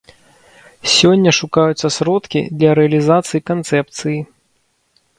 Сёння шукаюцца сродкі для рэалізацыі канцэпцыі.